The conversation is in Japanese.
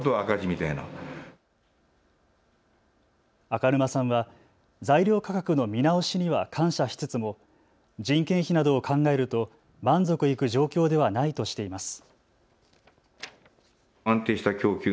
赤沼さんは材料価格の見直しには感謝しつつも人件費などを考えると満足いく状況ではないとしています。